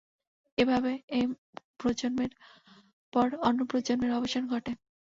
এ ভাবে এক প্রজন্মের পর অন্য প্রজন্মের অবসান ঘটে।